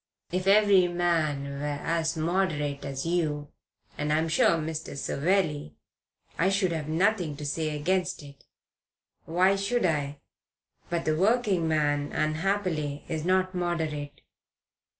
"If every man were as moderate as you, and I am sure as Mr. Savelli, I should have nothing to say against it. Why should I? But the working man, unhappily, is not moderate."